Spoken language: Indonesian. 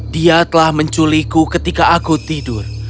dia telah menculikku ketika aku tidur